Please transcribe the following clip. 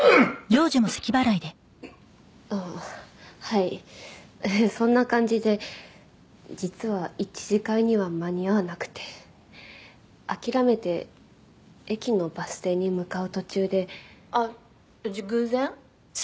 ああはいそんな感じで実は１次会には間に合わなくて諦めて駅のバス停に向かう途中で「あっじゃあ偶然？」